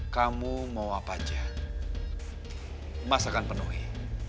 kamu mau apa aja mas akan penuhi